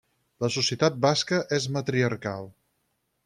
La societat basca és matriarcal.